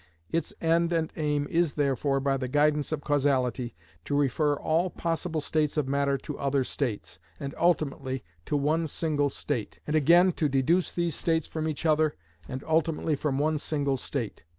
Its end and aim is therefore, by the guidance of causality, to refer all possible states of matter to other states, and ultimately to one single state; and again to deduce these states from each other, and ultimately from one single state.